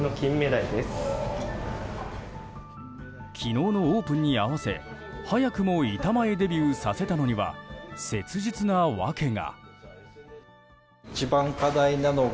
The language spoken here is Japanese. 昨日のオープンに合わせ早くも板前デビューさせたのには切実な訳が。